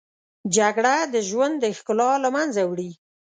جګړه د ژوند ښکلا له منځه وړي